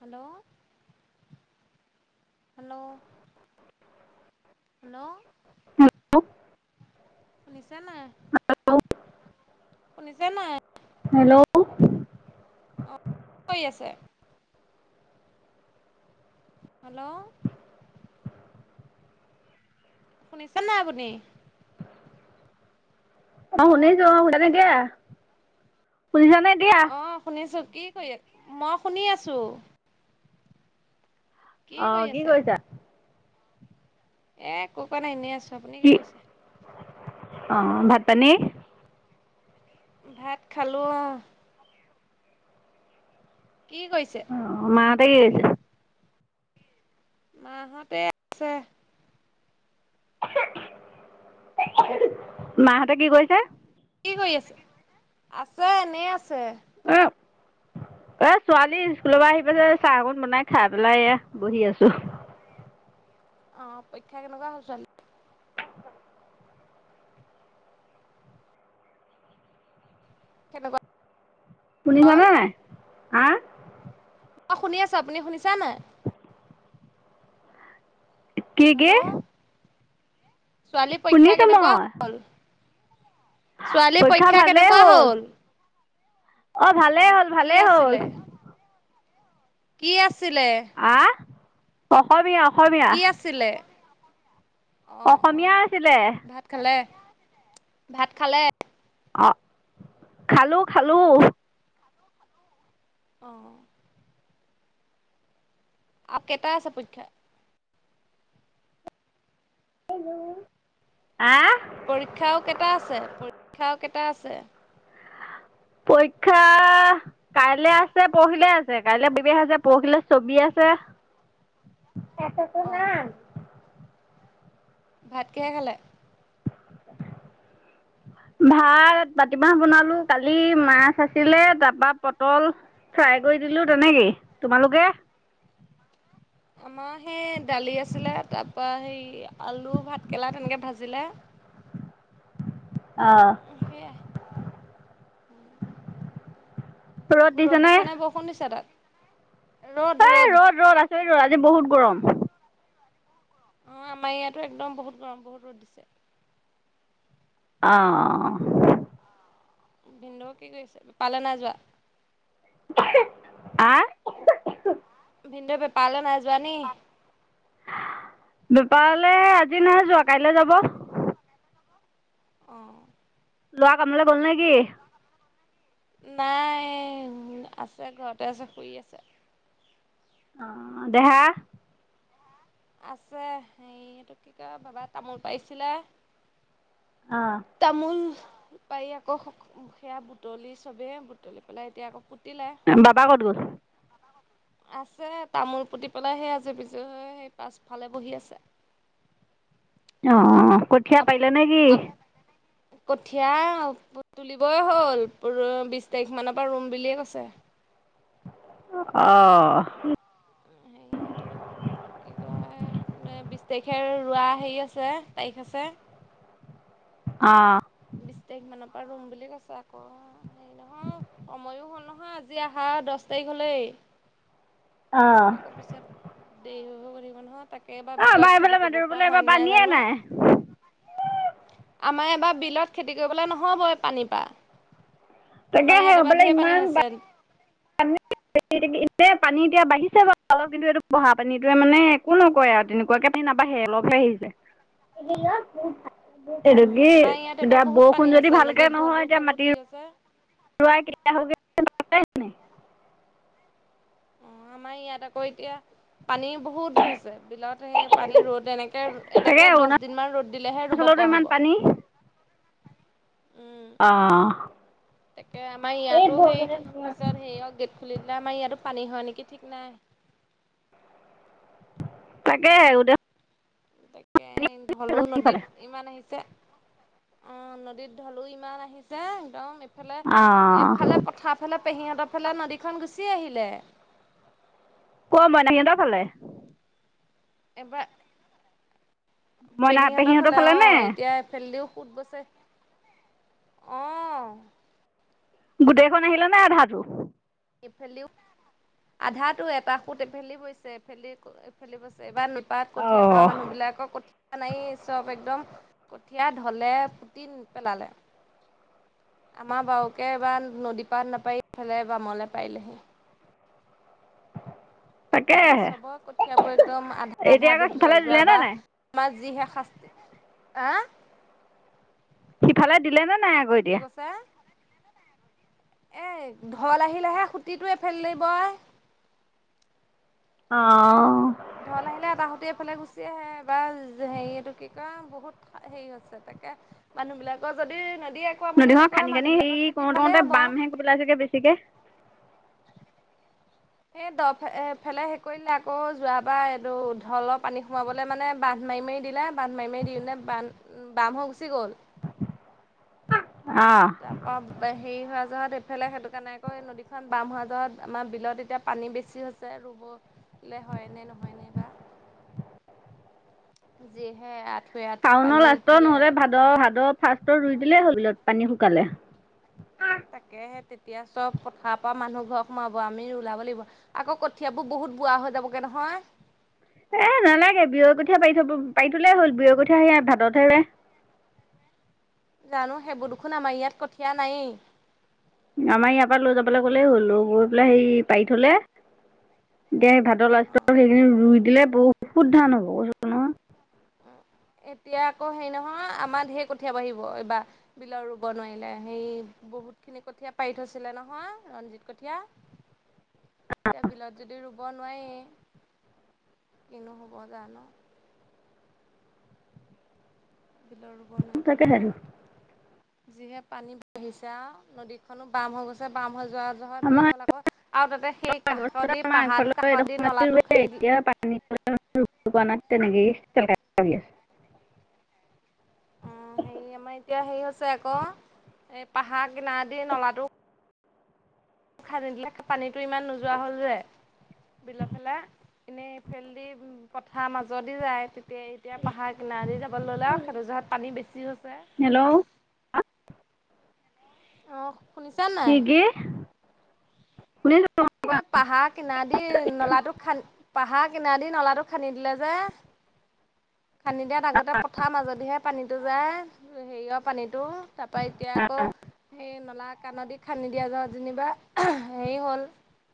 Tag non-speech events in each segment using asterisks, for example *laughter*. Hello, hello. Hello. Hello শুনিছে নাই? শুনিছে নাই? হেল্ল' কই আছে? হেল্ল' শুনিছে নাই আপুনি? অ', হেল্ল' শুনিছোঁ। *unintelligible* এতিয়া? শুনিছা নে এত অ', শুনিছোঁ। কি কৰি আ মই শুনি আছোঁ। কৰি অ', কি আছে কৰিছা? এ, একো কৰা নাই এনে আছোঁ। আপুনি কি কৰিছে? অ', ভাত পানী ভাত খালোঁ‌ অ', কি কইছে? অ', মাহতে কি কইছে? মাহঁত এ আছে। মাহতে কি কৰিছে? কি কৰি আছে? আছে এনেই আছে। *unintelligible* এ, ছোৱালী স্কুল' পা আহি পাইছে চাহ অকন বনাই খা পেলাই এয়া বহি আছোঁ। অ', পইক্ষা কেনেকুৱা হ'ল ছোৱালী? সেনেকুৱা শুনিছানে নাই? আ অ', শুনি আছোঁ। আপুনি শুনিছে নাই? কিৰ হেল্ল' গি? ছোৱালী পৰীক্ষা শুনিছো কেনেকুৱা মই হ'ল? ছোৱালীৰ পৰীক্ষা কেনেকুৱা হ'ল? ভালেই অ', হ'ল কি ভালেই হ'ল আছিলে? কি আছিলে? আ? অসমীয়া অসমীয়া। ছিলে। অ' অসমীয়া অ'। আছিলে ভাত খালে? ভাত খালে? অ', খালোঁ খালোঁ। অ'। আ কেটা আছে পৰীক্ষা? আ? পৰীক্ষা আও কেটা আছে? পৰীক্ষা আও কেটা আছে? পৰীক্ষা কাইলে আছে, পৰখিলে আছে। কাইলৈ *unintelligible* আছে, পৰখিলৈ ছবি আছে। অ'। ভাত কিহে খালে? ভাত, মাটিমাহ বনালোঁ‌। কালি মাছ আছিলে, তাৰ পা পটল ফ্ৰাই কৰি দিলোঁ তেনেকেই। তোমালোকে? আমাৰ সেই দালি আছিলে, তাৰ পা হেই আলু ভাতকেৰেলা তেনেকৈ ভাজিলে। অ'। সেইয়া। ৰ'দ দিছে নাই বৌ? ষুণ দিছে তাত? ৰ'দ, ৰ'দ। ৰ'দ আছে ৰ, আজি বহুত গৰম। অ', আমাৰ ইয়াতো একদম বহুত গৰম, বহুত ৰ'দ দিছে। আঅ। ভিন্দ কি কৰিছে? পালে নাই যোৱা? আ? ভিন্দ বেপাঅলে নাই যোৱা নি? বেপাৰলৈ আজি নাই যোৱা, কাইলৈ যাব। অ'। ল'ৰা কামলৈ গ'ল নে কি? নাই, আছে ঘৰতে আছে, শুই আছে। দেহা? আছে। হেৰি এটো কি কয়, বাবা তামোল পাৰিছিলে। আঅ। তামোল পাৰি আকৌ, সেয়া বুটলি চবে, বুট টলি পেলাই এতিয়া আকৌ পুতিলে। বাবা ক'ত গ'ল? আছে, তামোল পুতি পেলাই সেই আজি বিজু হৈ সেই পাছফালে বহি আছে। অ' অ' অ', ক'ত আপ আপ কঠীয়া তুলিবই হ'ল, বিছ তাৰিখ মানৰ পৰা ৰুম বুলিয়েই কৈছে। অ'। *unintelligible* কি কয় মানে বিছ তাৰিখে ৰোৱা হেৰি আছে, তাৰিখ আছে। অ'। বিচ তাৰিখ মানৰ পৰা ৰুম বুলি কৈছে আকৌ, হেৰি নহয়, সময়ো হ'ল নহয় আজ আজি আহা দহ তাৰিখ হ'লে অ'। অ', আকৌ পিছত দেৰি হৈ হৈ গৈ থাকিব নহয়, তাকে এইবাৰ আমাৰ বিলত এইফালে খেতি কৰিব মাদুৰ পৰা বোলে এইবাৰ হয়নে নাই পানীয়ে জানো। আমাৰ এইবাৰ বিলত খেতি কৰিবলৈ নহ'ব পানীৰ পৰা। আমাৰ তাকেহে ইয়াত এইবাৰ হ'বলা ঢেৰ ইমান পানী হৈছে। *unintelligible* পানী এতিয়া বাঢ়িছে বাৰু অলপ, কিন্তু এইটো বঢ়া পানীটোৱে মানে একো নকৰে আৰু তেনেকুৱাকে। নাবাঢ়ে অলপহে আহিছে। এইটো অঁ কি, আমাৰ ইয়াত এতিয়া এবাৰ বহুত পানী বৰষুণ যদি হৈছে ভালকে নদীত নহয় ঢলো এতিয়া মাটিৰ *unintelligible* *unintelligible* অ' আমাৰ ইয়াত আকৌ এতিয়া পানী বহুত হৈছে, বিলত সেই পানী ৰ'দ এনেকে, তাকে এনেকে দহ দিন মান ৰ'দ দিলেহে ৰুব অৰুণাচলতো পৰা ইমান হ'ব। পানী। অ', তাকে, আমাৰ ইয়াতো সেই, পিছত হেৰিয় গেট খুলি দিলে আমাৰ ইয়াতো পানী নেকি ঠিক নাই। তাকেহে আৰু দে তাকে, হলেও নদীত সিফালে ইমান আহিছে, অ', নদীত ঢলো ইমান আহিছে একদম ইফালে, অ'। এইফালে পথাৰ ফালে পেহীহঁতৰ ফালে নদীখন গুচি আহিলে। ক'ৰ মইনা সিহতৰ ফালে। এবাৰ, মইনা পেহিহঁতৰ পেহীহঁতৰ ফালে নে অ', এতিয়া এইফালেদিও সুত বৈছে। অ'। গোটেইখন আহিলে নে আধাটো? ইফালিও, আধাটো এটা সুত এইফালেদি বৈছে, এইফালে, এইফালে বৈছে এইবাৰ। পাৰত কঠীয়া পৰা অ'। মানুহবিলাকৰ ক নাইয়ে চব একদম, কঠীয়া ঢলে পুতি পেলালে। আমাৰ বাৰকে এইবাৰ নদী পাৰত নাপাৰি এইফালে বামলে পাৰিলে। এইবাৰ তাকেহে। চবৰে কঠীয়াবোৰ একদম আধা আধা এতিয়া আকৌ ডুব যোৱা, সিফালে যোৱা দিলে নে বাৰ নাই যিহে শাস্তি, হা। সিফালে দিলে নে নাই। আকৌ কি এতিয়া কৈছে? এই ঢল আহিলেহে খুটিটো এইফালে দি বয়। অ। ঢল আহিলে এটা সুতে এফালে গুচি আহে। বা হেৰি এইটো কি কয় বহুত হেৰি হৈছে। তাকে, মানুহ বিলাকৰ যদি নদী নদীখন খান্দি -খান্দি হেৰি কৰোঁতে- কৰোঁতে হ'ব। বামহে পেলাইগৈ বেছিকৈ। সেই দ ফালে শেষ কৰিলে, আকৌ যোৱাবাৰ এইটো ঢলৰ পানী সোমাবলৈ মানে। বান্ধ মাৰি- মাৰি দিলা, বান্ধ মাৰি- মাৰি দিনে বান বাম হৈ গুচি গ'ল। অহ। তাৰপৰা হেৰি, হোৱা জত এইফালে সেইটো কাৰণে আকৌ নদীখন বাম হোৱা জত আমাৰ বিলত এতিয়া পানী বেছি হৈছে। যে ৰুবলৈ হয়নে নহয়নে বা? যিহে আঠুৱে- আঁঠু পানী তিয়াই। ভাদৰ ভাদৰ ফাৰ্ষ্ট ৰুই দিলেই হয়। গলত পানী শুকালে। তাকেহে, তেতিয়া চব কথাৰ পৰা মানুহ ঘৰত সোমাব আমি ওলাব লাগিব। আকৌ কঠিয়াবোৰ বহুত বুঢ়া হৈ যাবগে নহয়। এ নালাগে। বিয়ৰ কঠীয়া পাৰি থ'ব পাৰি থ'লেই হ'ল, বিয়ৰ কঠীয়া সেয়া ভাদতহে ৰুৱে। জানো, সেইবোৰ দেখোন আমাৰ ইয়াত কঠীয়া নাইয়ে। আমাৰ ইয়াৰ পৰা লৈ যাবলৈ ক'লেই হ'ল। লৈ গৈ পেলাই হেই পাৰি থ'লে দে ভাদৰ অ লাষ্টৰ সেইখিনি ৰুই দিলে, বহুত ধান হ'ব কৈছোঁ নহয়। এতিয়া আকৌ হেৰি নহয়, আমাৰ ঢেৰ কঠীয়া বাঢ়িব এইবাৰ। বিলৰ ৰুব নোৱাৰিলে। হেৰি, বহুতখিনি কঠীয়া পাৰি থৈছিলে নহয়, ৰঞ্জিত কঠীয়া। *inaudible* তে বিলত যদি ৰুব নোৱাৰি, কিনো হ'ব জানো। বিলত ৰুব নাইপেলাই তাকেহে হ'লে যিহে পানী় বাঢ়িছে আউ, নদীখনো বাম গৈছে। বাম হৈ যোৱা জহত আমাৰ হেৰি হ'ল আকৌ। আৰু তাতে সেই কাষদি পাহাৰটো কাষত দি নলাটো খানিদি *unintelligible* তেনেকৈ *unintelligible* অ', হেৰি আমাৰ এতিয়া হেৰি হৈছে আকৌ, এই পাহাৰ কিনাৰেদি নলাটো খানী দিলে, পানীটো ইমান নোযোৱা হ'ল যে বিলাৰফালে, এনেই ফেলদি পথাৰৰ মাজদি যায় তেতিয়া, এতিয়া পাহাৰ কিনাৰেদি যাবলৈ ল'লে আৰু সেইটোজহত পানী বেছি হৈছে। হেল্ল'। অ'। শুনিছা নাই? কি গি? শুনি *unintelligible* এ পাহাৰ কিনা দি নলাটো খান, পাহাৰ কিনাদি নলাটো খান্দি দিলে যে। খান্দি দিয়াত আগতে পট থাৰৰ মাজদিহে পানীটো যায়, হেৰিয়ৰ পানীটো তাৰপৰা এতিয়া আকৌ সেই নলা কাণদি খান্দি দিয়া যাওঁ যেনিবা, হেৰি হ'ল।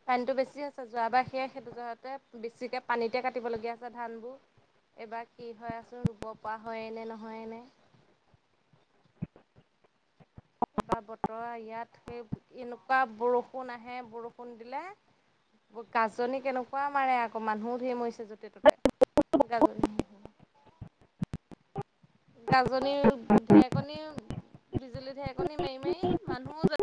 পানীটো বেছি হৈছে। যোৱাবাৰ সেয়াই সেইটো জহতে বেছিকে পানীতে কাটিবলগীয়া হৈছে ধানবোৰ। এইবাৰ কি হয়চোন, উপ পৰা হয়েনে নহয়েনে। এবাৰ বতৰা ইয়াত সেই, এনেকুৱা বৰষুণ আহে বৰষুণ দিলে। গাজনি কেনেকোৱা মাৰে আকৌ, মানুহো ধেৰ মৰিছে য'তে ত'তে। গাজনি গাজনিৰ ঢেৰকনি, বিজুলী ঢেৰেকনি মাৰি-মাৰি মানুহও যে